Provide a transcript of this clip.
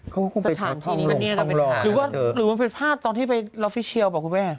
เค้าก็คงไปท้องรองหรือว่าหรือมันเป็นภาพตอนที่ไปรัฟฟิเชียลป่ะคุณแม่